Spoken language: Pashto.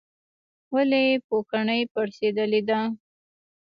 ولې پوکڼۍ پړسیدلې ده؟